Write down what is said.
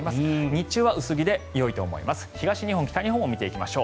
日中は薄着でよいと思います。